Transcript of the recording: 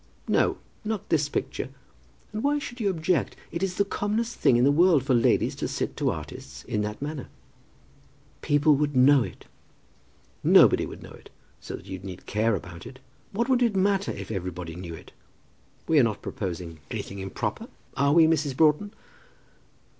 "No; not this picture. And why should you object? It is the commonest thing in the world for ladies to sit to artists in that manner." "People would know it." "Nobody would know it, so that you need care about it. What would it matter if everybody knew it? We are not proposing anything improper; are we, Mrs. Broughton?"